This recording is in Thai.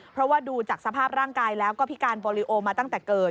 เพราะว่าดูจากสภาพร่างกายแล้วก็พิการบอริโอมาตั้งแต่เกิด